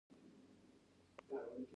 دوستي د وخت له تېرېدو سره لا پیاوړې کېږي.